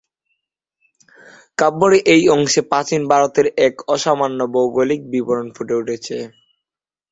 কাব্যের এই অংশে প্রাচীন ভারতের এক অসামান্য ভৌগোলিক বিবরণ ফুটে উঠেছে।